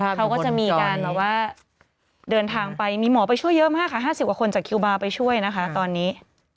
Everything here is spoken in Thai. เขาก็จะมีการแบบว่าเดินทางไปมีหมอไปช่วยเยอะมากค่ะ๕๐กว่าคนจากคิวบาร์ไปช่วยนะคะตอนนี้